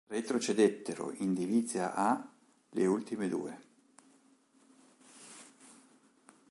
Retrocedettero in Divizia A le ultime due.